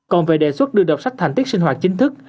còn về đề xuất đưa đọc sách thành tích sinh hoạt chính thức